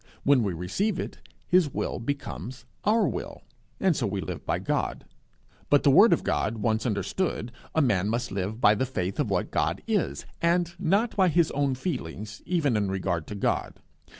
When we receive it, his will becomes our will, and so we live by God. But the word of God once understood, a man must live by the faith of what God is, and not by his own feelings even in regard to God.